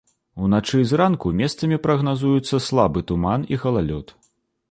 Уначы і зранку месцамі прагназуюцца слабы туман і галалёд.